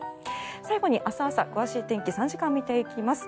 最後に明日朝、詳しい天気３時間見ていきます。